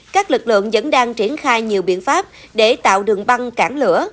các lực lượng vẫn đang triển khai nhiều biện pháp để tạo đường băng cản lửa